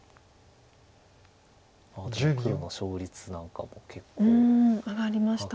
でも黒の勝率なんかも結構上がりました。